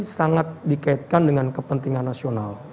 sangat dikaitkan dengan kepentingan nasional